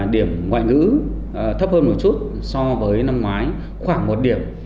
điểm ngoại ngữ thấp hơn một chút so với năm ngoái khoảng một điểm